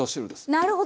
なるほど！